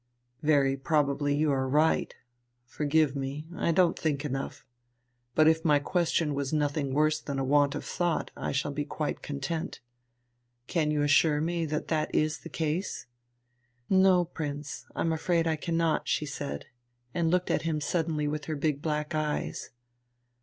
"Very probably you are right; forgive me, I don't think enough. But if my question was nothing worse than a want of thought, I shall be quite content. Can you assure me that that is the case?" "No, Prince, I'm afraid I cannot," she said, and looked at him suddenly with her big black eyes.